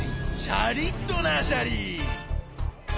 シャリットナシャリ。